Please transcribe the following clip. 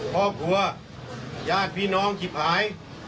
ครอบครัวญาติพี่น้องจิบหาย